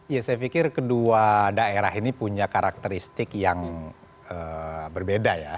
ya saya pikir kedua daerah ini punya karakteristik yang berbeda ya